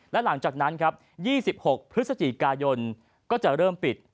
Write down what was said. และหลังจากนั้นครับ๒๖พฤศจิกายนก็จะเริ่มปิด